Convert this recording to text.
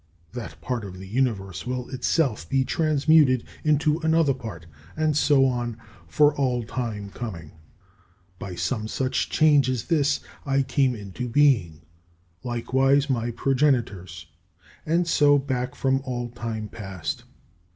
That part of the Universe will itself be transmuted into another part, and so on for all time coming. By some such change as this I came into being, likewise my progenitors, and so back from all time past.